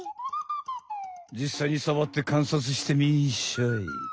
じっさいにさわってかんさつしてみんしゃい！